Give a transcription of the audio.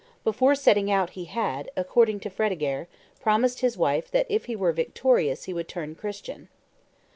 Before setting out he had, according to Fredegaire, promised his wife that if he were victorious he would turn Christian.